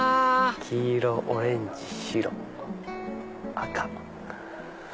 黄色オレンジ白赤。